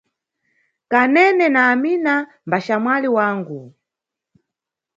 Kanene na Amina mbaxamwali wangu.